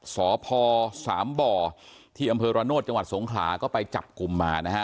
สพสามบ่อที่อำเภอระโนธจังหวัดสงขลาก็ไปจับกลุ่มมานะฮะ